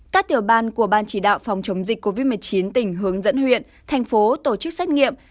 các tiểu ban của ban chỉ đạo phòng chống dịch covid một mươi chín tỉnh hướng dẫn huyện thành phố tổ chức xét nghiệm